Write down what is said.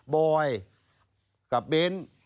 บอยกับเบ้น